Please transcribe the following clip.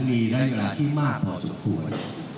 มีระยะเวลาที่มากพอสมควร